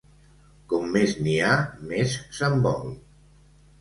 Com més n'hi ha, més se'n vol.